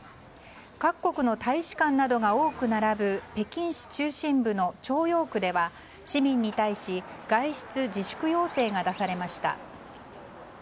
各国の大使館などが多く並ぶ北京市中心部の朝陽区では市民に対し外出自粛要請が出されました。